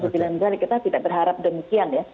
kita tidak berharap demikian ya